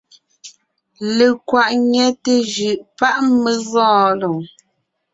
Lekwàʼ ńnyɛte jʉʼ páʼ mé gɔɔn lɔɔn.